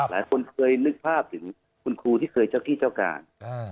หลายคนเคยนึกภาพถึงคุณครูที่เคยเจ้าที่เจ้าการ